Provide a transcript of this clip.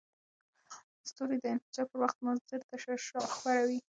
ستوري د انفجار پر وخت مضر تشعشع خپروي.